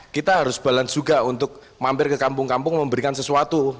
kita harus balance juga untuk mampir ke kampung kampung memberikan sesuatu